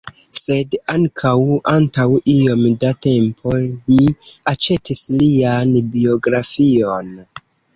Sed, ankaŭ, antaŭ iom da tempo, mi aĉetis lian biografion.